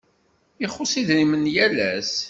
Ixuṣ idrimen yal ass.